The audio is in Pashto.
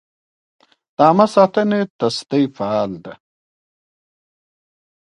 د عامه ساتنې تصدۍ فعال ده؟